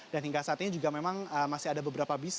dan hingga saat ini juga memang masih ada beberapa bis